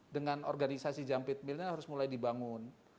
dengan organisasi jampit milnya harus mulai dibangun